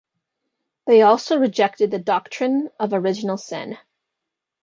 They also rejected the doctrine of original sin.